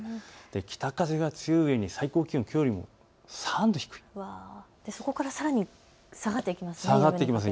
北風が強いように最高気温、きょうより３度低い、そこからさらに下がっていきますね。